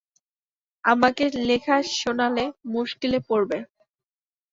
আমাকে লেখা শোনালে মুশকিলে পড়বে।